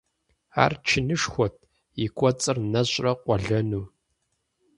Ар чынышхуэт, и кӀуэцӀыр нэщӀрэ къуэлэну .